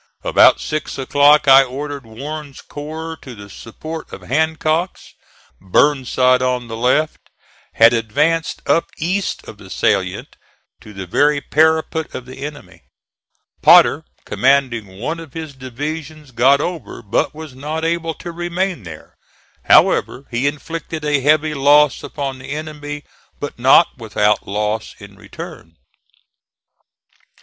About six o'clock I ordered Warren's corps to the support of Hancock's. Burnside, on the left, had advanced up east of the salient to the very parapet of the enemy. Potter, commanding one of his divisions, got over but was not able to remain there. However, he inflicted a heavy loss upon the enemy; but not without loss in return.